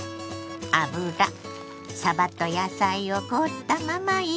油さばと野菜を凍ったまま入れ